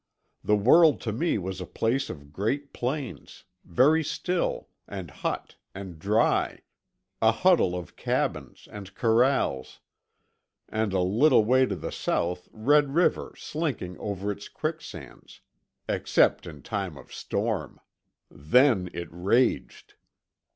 The world to me was a place of great plains, very still, and hot, and dry, a huddle of cabins, and corrals, and a little way to the south Red River slinking over its quicksands—except in time of storm; then it raged.